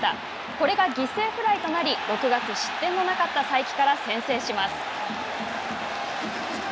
これが犠牲フライとなり６月失点のなかった才木から先制します。